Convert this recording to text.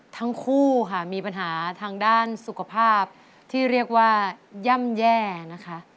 ทั้งคู่ค่ะมีปัญหาทางด้านสุขภาพที่เรียกว่าย่ำแย่นะคะ